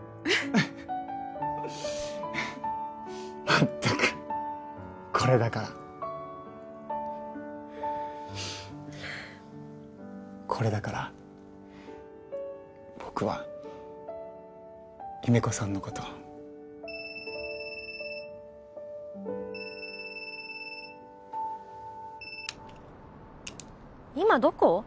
まったくこれだからこれだから僕は優芽子さんのこと今どこ？